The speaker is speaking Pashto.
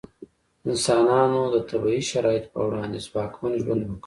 انسانانو د طبیعي شرایطو په وړاندې ځواکمن ژوند وکړ.